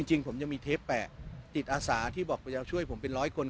จริงผมยังมีเทปแปะติดอาสาที่บอกว่าจะช่วยผมเป็นร้อยคน